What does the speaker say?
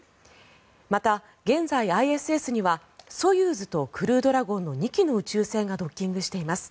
また現在、ＩＳＳにはソユーズとクルードラゴンの２機の宇宙船がドッキングしています。